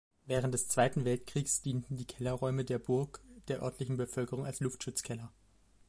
Während des Zweiten Weltkriegs dienten die Kellerräume der Burg der örtlichen Bevölkerung als Luftschutzkeller.